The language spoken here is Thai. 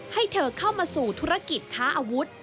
ให้เธอเข้ามาสู่ธุรกิจค้าอาวุธ